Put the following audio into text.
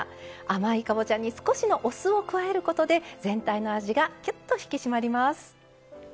甘いかぼちゃに少しのお酢を加えることで全体の味がきゅっと引き締まります。